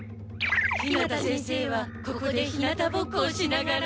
日向先生はここで日向ぼっこをしながら。